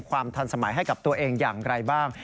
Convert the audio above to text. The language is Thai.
ความทันสมัยให้กับตัวเองอย่างไรบ้าง